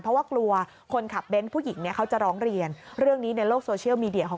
เพราะว่ากลัวคนขับเบ้นผู้หญิงเนี่ยเขาจะร้องเรียนเรื่องนี้ในโลกโซเชียลมีเดียของ